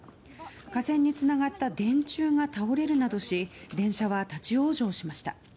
架線につながった電柱が倒れるなどし電車は立ち往生しました。